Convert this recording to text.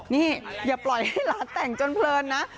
นี่อย่าปล่อยให้หลานแต่งจนเพลินนะ